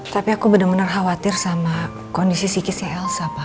tapi aku bener bener khawatir sama kondisi psikisnya elsa pa